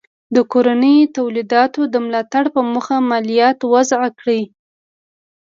د کورنیو تولیداتو د ملاتړ په موخه مالیات وضع کړي.